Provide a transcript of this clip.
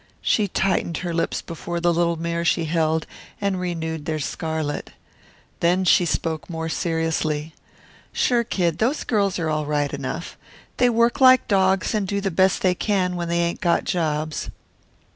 She tightened her lips before the little mirror she held and renewed their scarlet. Then she spoke more seriously. "Sure, Kid, those girls are all right enough. They work like dogs and do the best they can when they ain't got jobs.